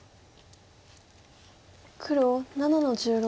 黒７の十六。